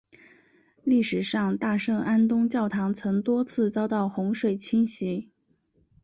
历史上大圣安东教堂曾多次遭到洪水侵袭。